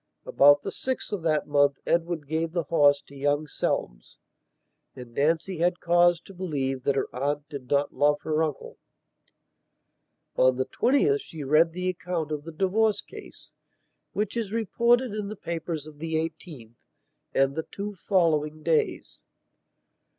About the 6th of that month Edward gave the horse to young Selmes, and Nancy had cause to believe that her aunt did not love her uncle. On the 20th she read the account of the divorce case, which is reported in the papers of the 18th and the two following days.